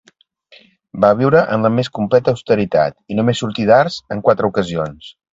Va viure en la més completa austeritat i només sortí d'Ars en quatre ocasions.